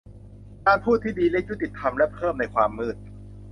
การพูดที่ดีและยุติธรรม และเพิ่มในความมืด